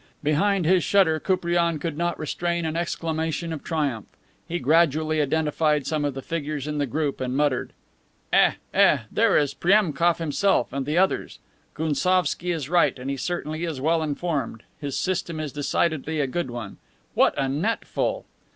Behind his shutter, Koupriane could not restrain an exclamation of triumph; he gradually identified some of the figures in the group, and muttered: "Eh! eh! There is Priemkof himself and the others. Gounsovski is right and he certainly is well informed; his system is decidedly a good one. What a net full!"